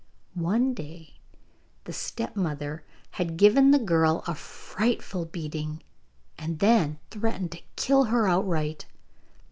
One day the stepmother had given the girl a frightful beating, and then threatened to kill her outright.